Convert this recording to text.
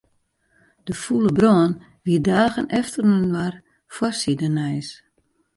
De fûle brân wie dagen efterinoar foarsidenijs.